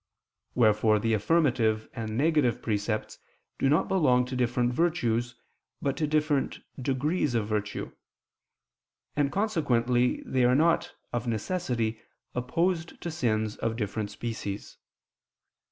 Wherefore the affirmative and negative precepts do not belong to different virtues, but to different degrees of virtue; and consequently they are not, of necessity, opposed to sins of different species.